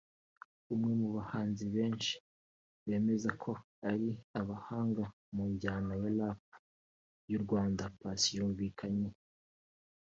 umwe mu bahanzi benshi bemeza ko ari abahanga mu njyana ya Rap y’u Rwanda Paccy yumvikanye